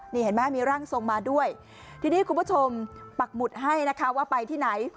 นี่เห็นไหมมีร่างทรงมาด้วยทีนี้คุณผู้ชมปักหมุดให้นะคะว่าไปที่ไหน